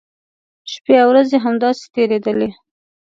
شپی او ورځې همداسې تېریدلې.